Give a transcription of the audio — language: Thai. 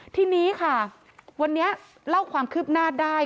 ทีนี้ค่ะวันนี้เล่าความคืบหน้าได้